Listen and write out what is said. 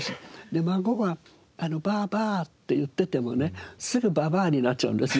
孫が「ばあば」って言っててもねすぐババアになっちゃうんですよ。